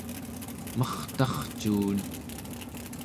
mertarcuun